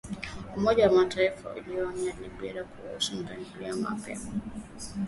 Umoja wa Mataifa waionya Libya kuhusu mapigano mapya.